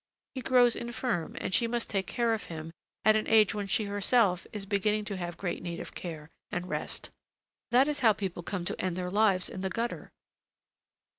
He grows infirm, and she must take care of him at an age when she herself is beginning to have great need of care and rest. That is how people come to end their lives in the gutter."